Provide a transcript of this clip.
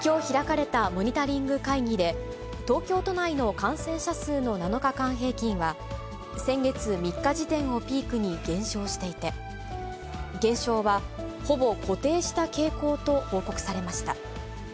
きょう開かれたモニタリング会議で、東京都内の感染者数の７日間平均は、先月３日時点をピークに減少していて、減少は、ほぼ固定した傾向と報告されました。